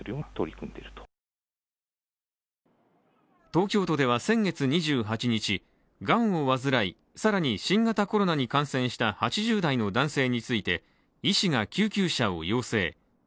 東京都では先月２８日、がんを煩い更に新型コロナに感染した８０代の男性について医師が救急車を要請。